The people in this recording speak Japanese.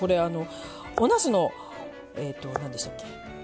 おなすのえと何でしたっけ。